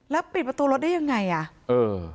แล้วปิดประตูรถได้ยังไงอ่ะเออ